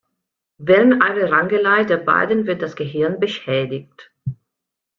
Während einer Rangelei der beiden wird das Gehirn beschädigt.